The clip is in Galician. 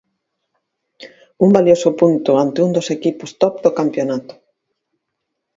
Un valioso punto ante un dos equipos top do campionato.